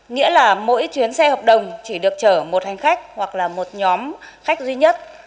nghĩa là mỗi chuyến xe hợp đồng chỉ được chở một hành khách hoặc là một nhóm khách duy nhất